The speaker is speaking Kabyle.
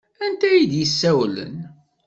Anta ay d-yessawlen?